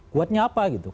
kuatnya apa gitu